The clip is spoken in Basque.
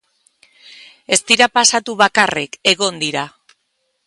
Ez dira pasatu bakarrik, egon dira.